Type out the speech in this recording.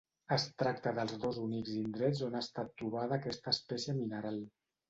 Es tracta dels dos únics indrets on ha estat trobada aquesta espècie mineral.